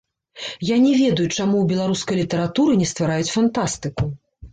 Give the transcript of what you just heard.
Я не ведаю, чаму ў беларускай літаратуры не ствараюць фантастыку.